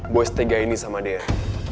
boy setegah ini sama dian